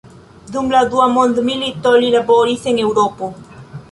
Dum la dua mondmilito li laboris en Eŭropo.